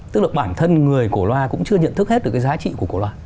tức là bản thân người cổ loa cũng chưa nhận thức hết được cái giá trị của cổ loa